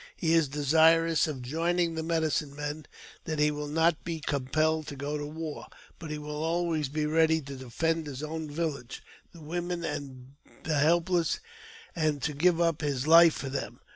He is desirous of joining the medicine men, that he will not be compelled to go to war ; but he will always be ready to defend his own village, the women and the help less, and to give up his life for them.